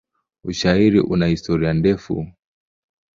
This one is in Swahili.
Ushairi una historia ndefu.